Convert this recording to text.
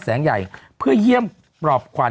แสงใหญ่เพื่อเยี่ยมปลอบขวัญ